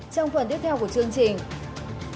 trong phần tiếp theo của chương trình